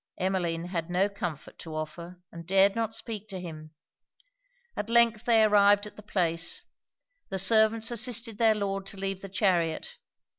Emmeline had no comfort to offer, and dared not speak to him. At length they arrived at the place. The servants assisted their lord to leave the chariot.